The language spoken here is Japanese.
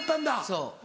そう。